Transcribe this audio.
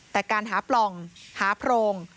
แต่การหาปล่องหาโพรง